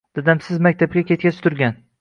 Dadam biz maktabga ketgach turgan.